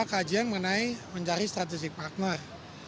kajian mengenai mencari strategic partner